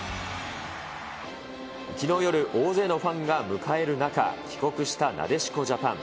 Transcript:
きのう夜、大勢のファンが迎える中、帰国したなでしこジャパン。